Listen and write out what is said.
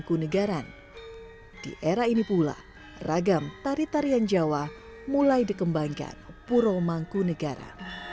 kini pula ragam tari tarian jawa mulai dikembangkan pura mangku negara